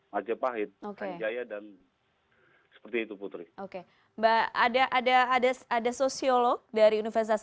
majapahit jaya dan seperti itu putri oke mbak ada ada ada ada sosiolog dari universitas